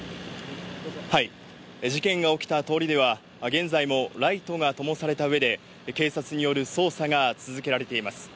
事件が起きた通りでは現在もライトがともされた上で警察による捜査が続けられています。